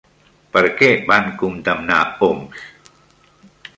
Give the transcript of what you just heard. Per què van condemnar Homs?